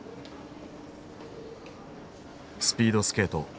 スピードスケート